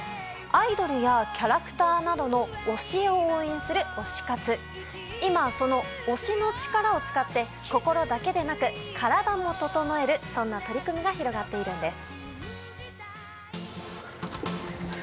アイドルやキャラクターなどの推しを応援する今、その推しの力を使って心だけでなく体も整えるそんな取り組みが広がっているんです。